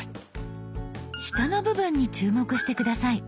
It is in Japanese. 下の部分に注目して下さい。